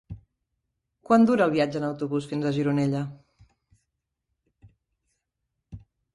Quant dura el viatge en autobús fins a Gironella?